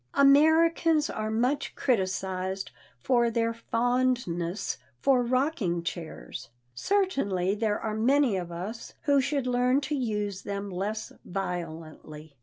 Americans are much criticized for their fondness for rocking chairs. Certainly there are many of us who should learn to use them less violently.